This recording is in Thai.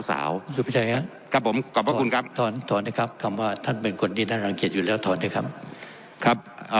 สุภิใจครับถอนนะครับคำว่าท่านเป็นคนที่น่ารังเกียจอยู่แล้วถอนนะครับ